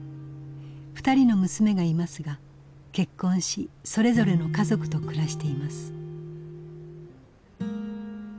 ２人の娘がいますが結婚しそれぞれの家族と暮らしています。